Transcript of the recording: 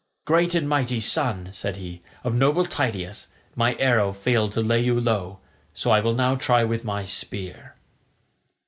"Great and mighty son," said he, "of noble Tydeus, my arrow failed to lay you low, so I will now try with my spear."